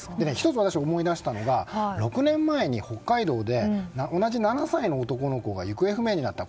１つ、私が思い出したのは６年前に北海道で同じ７歳の男の子が行方不明になった。